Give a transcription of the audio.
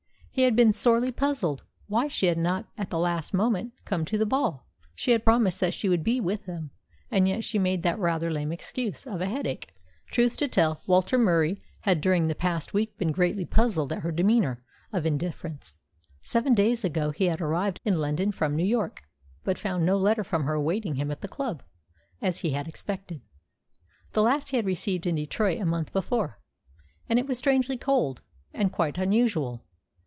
He had been sorely puzzled why she had not at the last moment come to the ball. She had promised that she would be with them, and yet she had made the rather lame excuse of a headache. Truth to tell, Walter Murie had during the past week been greatly puzzled at her demeanour of indifference. Seven days ago he had arrived in London from New York, but found no letter from her awaiting him at the club, as he had expected. The last he had received in Detroit a month before, and it was strangely cold, and quite unusual.